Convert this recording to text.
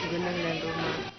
gunung dan rumah